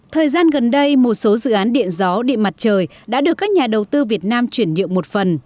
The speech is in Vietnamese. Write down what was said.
thời gian gần đây một số dự án điện gió điện mặt trời đã được các nhà đầu tư việt nam chuyển nhượng một phần